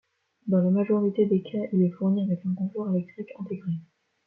Dans la majorité des cas il est fourni avec un gonfleur électrique intégré.